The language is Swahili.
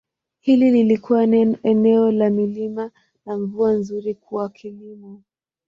Hili lilikuwa eneo la milima na mvua nzuri kwa kilimo.